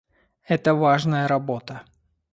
Это важная работа.